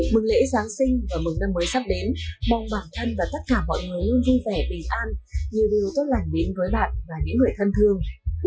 mừng lễ giáng sinh và mừng năm mới sắp đến mong bản thân và tất cả mọi người luôn vui vẻ bình an nhiều điều tốt lành đến với bạn và những người thân thương